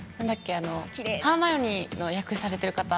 あのハーマイオニーの役されてる方。